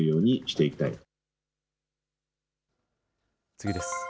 次です。